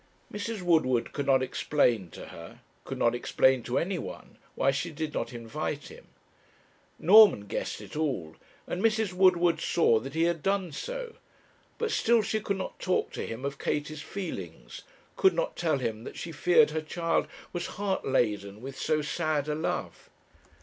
Mrs. Woodward could not explain to her could not explain to any one why she did not invite him. Norman guessed it all, and Mrs. Woodward saw that he had done so; but still she could not talk to him of Katie's feelings, could not tell him that she feared her child was heart laden with so sad a love.